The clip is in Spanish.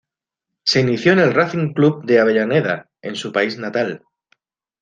Se inició en el Racing Club de Avellaneda, en su país natal.